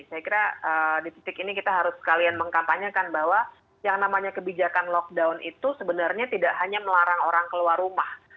saya kira di titik ini kita harus sekalian mengkampanyekan bahwa yang namanya kebijakan lockdown itu sebenarnya tidak hanya melarang orang keluar rumah